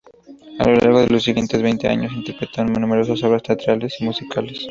A lo largo de los siguientes veinte años interpretó numerosas obras teatrales y musicales.